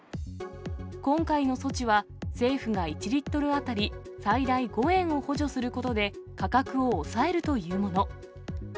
今回の措置は、政府が１リットル当たり最大５円を補助することで、価格を抑えるというもの。